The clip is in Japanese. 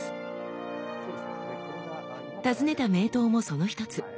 訪ねた名刀もその一つ。